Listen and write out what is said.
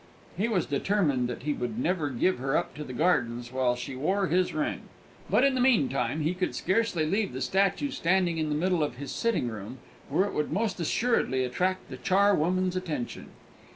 He was determined that he would never give her up to the gardens while she wore his ring; but, in the mean time, he could scarcely leave the statue standing in the middle of his sitting room, where it would most assuredly attract the charwoman's attention.